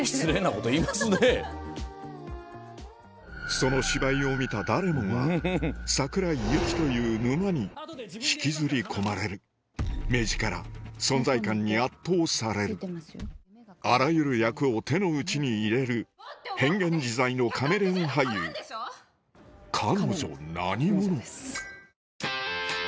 その芝居を見た誰もが桜井ユキという沼に引きずり込まれる目力存在感に圧倒されるあらゆる役を手の内に入れる変幻自在のカメレオン俳優彼女何者？